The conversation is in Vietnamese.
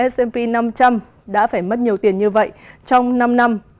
s p năm trăm linh đã phải mất nhiều tiền như vậy trong năm năm